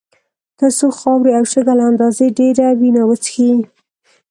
تر څو خاورې او شګه له اندازې ډېره وینه وڅښي.